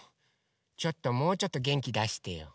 ちょっともうちょっとげんきだしてよ。